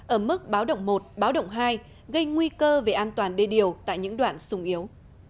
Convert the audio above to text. ở mức báo động một báo động hai gây nguy cơ về an toàn đê điều tại những đoạn sung yếu